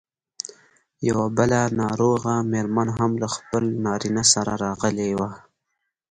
یوه بله ناروغه مېرمن هم له خپل نارینه سره راغلې وه.